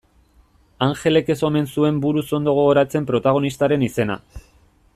Anjelek ez omen zuen buruz ondo gogoratzen protagonistaren izena.